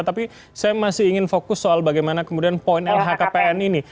tapi saya masih ingin fokus soal bagaimana kemudian poin lhkpn ini